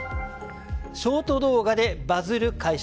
ショート動画でバズる会社。